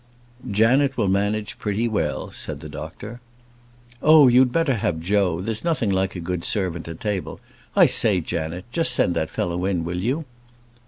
"Janet will manage pretty well," said the doctor. "Oh, you'd better have Joe; there's nothing like a good servant at table. I say, Janet, just send that fellow in, will you?"